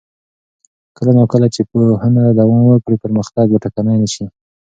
کله نا کله چې پوهنه دوام ولري، پرمختګ به ټکنی نه شي.